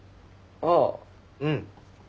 ああうん。